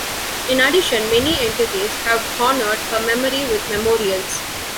In addition, many entities have honored her memory with memorials.